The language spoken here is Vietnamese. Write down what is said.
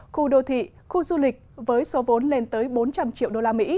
khu đô thị khu du lịch với số vốn lên tới bốn trăm linh triệu usd